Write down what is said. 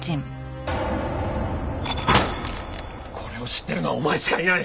これを知ってるのはお前しかいない！